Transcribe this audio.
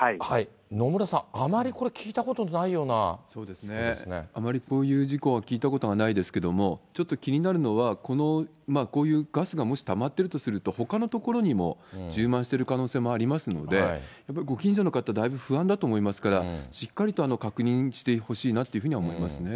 野村さん、あまりこれ、そうですね、あまりこういう事故は聞いたことがないですけれども、ちょっと気になるのは、このこういうガスがもしたまっているとすると、ほかの所にも充満している可能性もありますので、やっぱりご近所の方、だいぶ不安だと思いますから、しっかりと確認してほしいなというふうには思いますね。